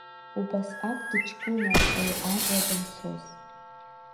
Убасҟак дыҷкәынан уи арра данцоз.